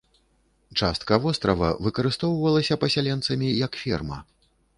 Частка вострава выкарыстоўвалася пасяленцамі як ферма.